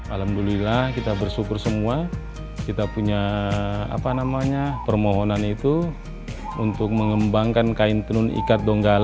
alhamdulillah kita bersyukur semua kita punya permohonan itu untuk mengembangkan kain tenun ikat donggala